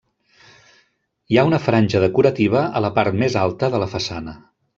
Hi ha una franja decorativa a la part més alta de la façana.